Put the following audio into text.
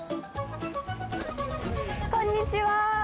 こんにちは。